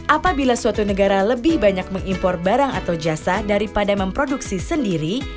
apabila suatu negara lebih banyak mengimpor barang atau jasa daripada memproduksi sendiri